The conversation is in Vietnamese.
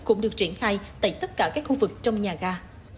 cũng được triển khai tại tất cả các khu vực trong nhà ga